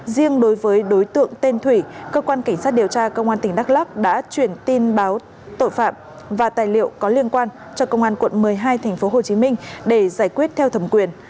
riêng đối với đối tượng tên thủy cơ quan cảnh sát điều tra công an tỉnh đắk lắk đã chuyển tin báo tội phạm và tài liệu có liên quan cho công an quận một mươi hai tp hcm để giải quyết theo thẩm quyền